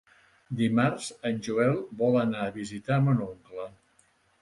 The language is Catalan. Dimarts en Joel vol anar a visitar mon oncle.